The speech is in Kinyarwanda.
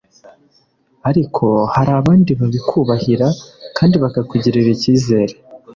Ariko hari abandi babikubahira kandi bakakugirira ikizere